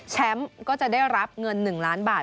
ก็จะได้รับเงิน๑ล้านบาท